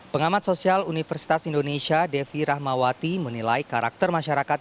pengamat sosial universitas indonesia devi rahmawati menilai karakter masyarakat